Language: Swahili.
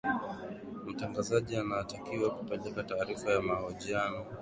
mtangazaji anatakiwa kupeleka taarifa ya mahojiano